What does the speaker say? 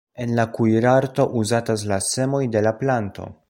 En la kuirarto uzatas la semoj de la planto.